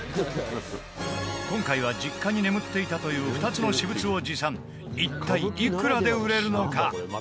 今回は実家に眠っていたという２つの私物を持参一体、いくらで売れるのか？